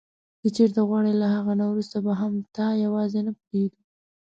که چیري ته غواړې له هغه نه وروسته به هم تا یوازي نه پرېږدو.